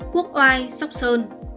quốc oai sóc sơn